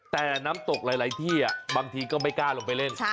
แต่น้ำตกหลายที่บางทีก็ไม่กล้าลงไปเล่น